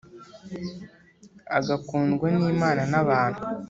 agakundwa n’Imana n’abantu: